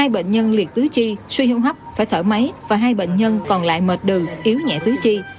hai bệnh nhân liệt tứ chi suy hô hấp phải thở máy và hai bệnh nhân còn lại mệt đường yếu nhẹ tứ chi